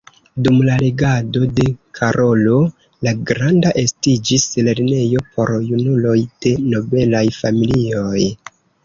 Dum la regado de Karolo la Granda estiĝis lernejo por junuloj de nobelaj familioj.